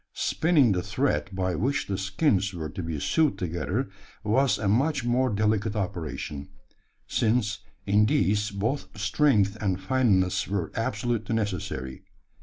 Spinning the thread by which the skins were to be sewed together, was a much more delicate operation: since in these both strength and fineness were absolutely necessary.